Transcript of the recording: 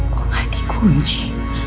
kok gak ada kunci